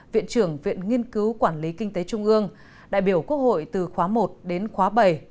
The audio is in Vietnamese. viện trưởng viện nghiên cứu quản lý kinh tế trung ương đại biểu quốc hội từ khóa một đến khóa bảy